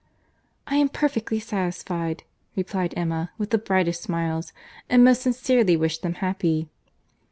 "I am perfectly satisfied," replied Emma, with the brightest smiles, "and most sincerely wish them happy."